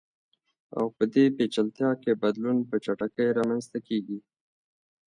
او په دې پېچلتیا کې بدلون په چټکۍ رامنځته کیږي.